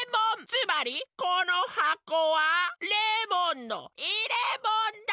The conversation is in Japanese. つまりこのはこはレモンのいれもんだ！